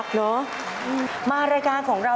ตื่นขึ้นมาอีกทีตอน๑๐โมงเช้า